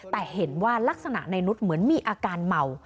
แต่เห็นว่ารักษณะในนุษย์เหมือนมีอาการเมา